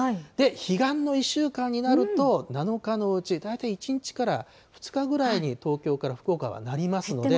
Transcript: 彼岸の１週間になると、７日のうち大体１日から２日ぐらいに、東減ってますね。